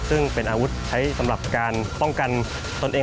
ซึ่งเป็นอาวุธใช้สำหรับการป้องกันตนเอง